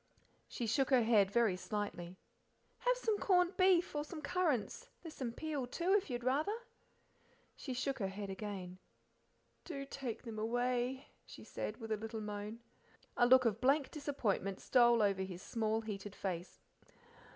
She shook her head very slightly. "Have some corned beef, or some currants; there's some peel, too, if you'd rather." She shook her head again. "Do take them away," she said, with a little moan. A look of blank disappointment stole over his small, heated face.